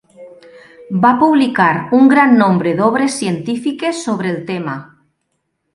Va publicar un gran nombre d'obres científiques sobre el tema.